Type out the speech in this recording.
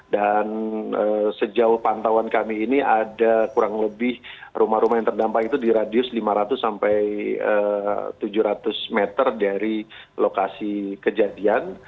dan sejauh pantauan kami ini ada kurang lebih rumah rumah yang terdampak itu di radius lima ratus sampai tujuh ratus meter dari lokasi kejadian